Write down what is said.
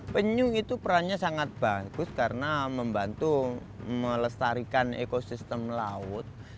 penyu itu perannya sangat bagus karena membantu melestarikan ekosistem laut